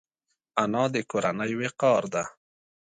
انا د کورنۍ وقار ده